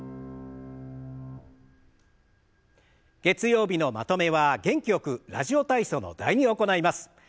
月曜日のまとめは元気よく「ラジオ体操」の「第２」を行います。